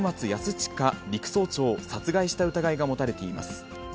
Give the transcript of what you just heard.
親陸曹長を殺害した疑いが持たれています。